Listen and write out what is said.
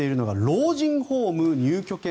老人ホーム入居権